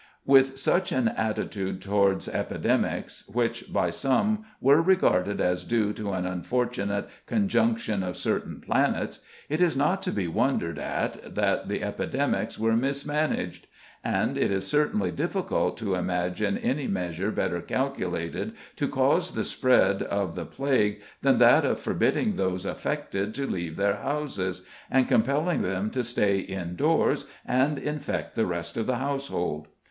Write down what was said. With such an attitude towards epidemics, which by some were regarded as due to an unfortunate conjunction of certain planets, it is not to be wondered at that the epidemics were mismanaged; and it is certainly difficult to imagine any measure better calculated to cause the spread of the plague than that of forbidding those affected to leave their houses, and compelling them to stay indoors and infect the rest of the household.